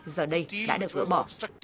giờ đây đã được gỡ bỏ